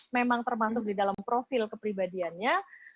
memang termasuk di dalam profil kepribadiannya